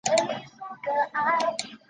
正德元年病重而亡。